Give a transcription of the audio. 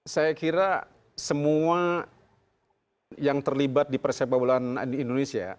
saya kira semua yang terlibat di persepak bolaan di indonesia